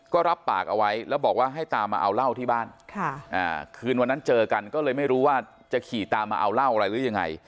ก็รับปากเอาไว้แล้วบอกว่าให้ตามมาเอาเหล้าที่บ้านคืนวันนั้นเจอกันก็เลยไม่รู้ว่าจะขี่ตามมาเอาเหล้าอะไรหรือยังไง